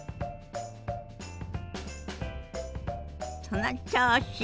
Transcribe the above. その調子！